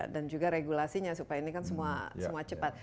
dan juga regulasinya supaya ini kan semua cepat